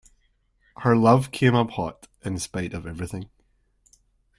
Her love came up hot, in spite of everything.